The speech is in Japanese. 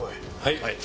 はい。